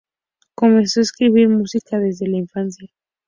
Comenzó a escribir música desde la infancia.